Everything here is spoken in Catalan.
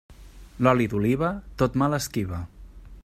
L'oli d'oliva, tot mal esquiva.